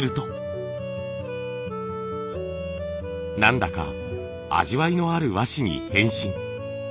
何だか味わいのある和紙に変身。